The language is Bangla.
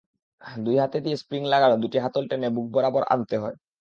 দুই হাত দিয়ে স্প্রিং লাগানো দুটি হাতল টেনে বুকবরাবর আনতে হয়।